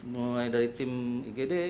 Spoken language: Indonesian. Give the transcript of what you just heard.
mulai dari tim igd